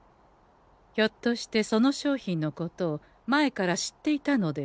ひょっとしてその商品のことを前から知っていたのでは？